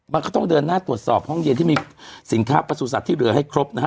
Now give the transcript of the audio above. มันก็ต้องเดินหน้าตรวจสอบห้องเย็นที่มีสินค้าประสุทธิ์ที่เหลือให้ครบนะฮะ